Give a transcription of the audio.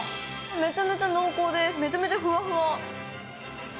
めちゃめちゃ濃厚で、めちゃめちゃふわふわ。